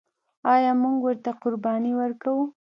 آیا موږ ورته قرباني ورکوو؟